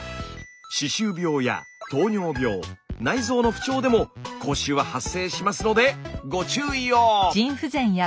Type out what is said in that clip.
歯周病や糖尿病内臓の不調でも口臭は発生しますのでご注意を！